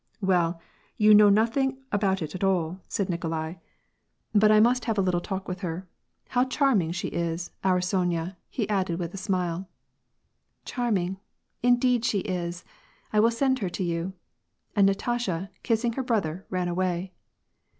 ♦'Well, you know nothing about it at all," said Nikolai, 48 WAR AND PEACE. " But I must have a little talk with her. How charming 8)ie is ! our Sonya," he added with a smile. " Charming ! Indeed she is. I will send her to you." And Natasha, kissing her brother, ran away.